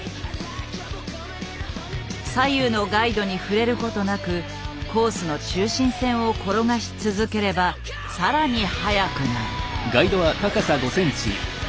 左右のガイドに触れることなくコースの中心線を転がし続ければ更に速くなる。